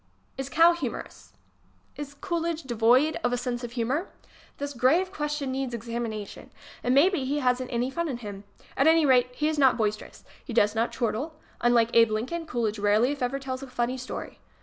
Is "Cal " Humorous 7 . Is Coolidge devoid of a sense of humor? This grave question needs examination. It may be he hasn't any fun in him. At any rate, he is not bois terous. He does not chortle. Unlike Abe Lincoln, Coolidge rarely if ever tells a funny story.